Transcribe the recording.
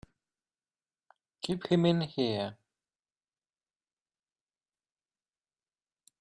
Keep him in here!